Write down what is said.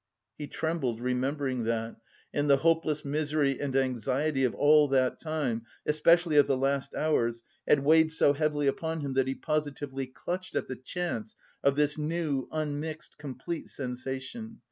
'" He trembled, remembering that. And the hopeless misery and anxiety of all that time, especially of the last hours, had weighed so heavily upon him that he positively clutched at the chance of this new unmixed, complete sensation.